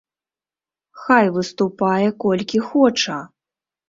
Хай выступае колькі хоча.